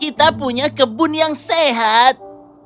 kita punya kebun yang sehat